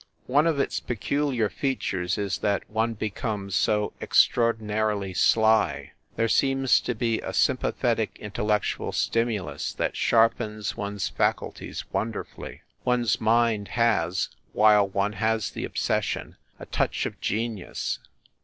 One of its peculiar features is that one becomes so extraordinarily sly there seems to be a sympathetic intellectual stimulus that sharpens one s faculties wonderfully. One s mind has, while one has the obsession, a touch of genius.